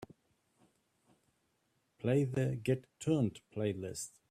Play the Get Turnt playlist.